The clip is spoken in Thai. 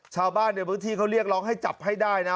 ชาวบ้านในพื้นที่เขาเรียกร้องให้จับให้ได้นะ